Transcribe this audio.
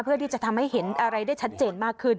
เพื่อที่จะทำให้เห็นอะไรได้ชัดเจนมากขึ้น